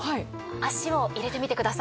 足を入れてみてください。